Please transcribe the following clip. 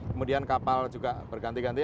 kemudian kapal juga berganti ganti